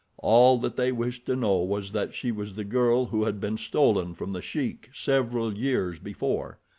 All that they wished to know was that she was the girl who had been stolen from The Sheik several years before.